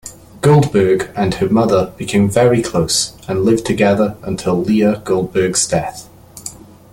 Goldberg and her mother became very close and lived together until Leah Goldberg's death.